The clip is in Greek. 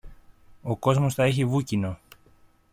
Ο κόσμος τα έχει βούκινο.